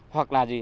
hoặc là gì